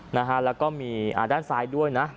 นะฮะแล้วก็มีด้านซ้ายด้วยนะ